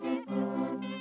pertama suara dari biasusu